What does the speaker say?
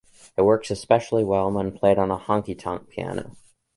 It works especially well when played on a "Honky tonk" piano.